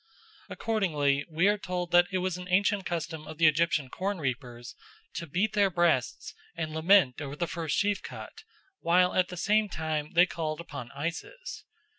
Accordingly we are told that it was an ancient custom of the Egyptian corn reapers to beat their breasts and lament over the first sheaf cut, while at the same time they called upon Isis.